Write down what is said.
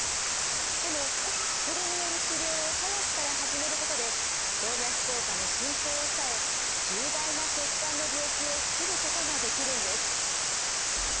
でも薬による治療を早くから始めることで動脈硬化の進行を抑え重大な血管の病気を防ぐことができるんです。